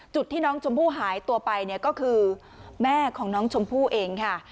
จุดที่น้องชมพู่หายตัวไปเนี่ยก็คือแม่ของน้องชมพู่เองค่ะ